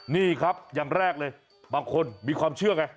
นี่ครับอย่างแรกเลยบางคนมีความเชื่อไง